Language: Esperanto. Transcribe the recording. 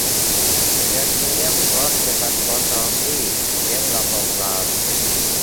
sed ni jam procesas kontraŭ vi, jen la formularo.